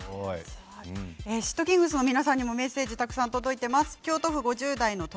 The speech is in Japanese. シットキングスの皆さんにもメッセージがきています。